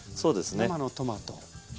生のトマト。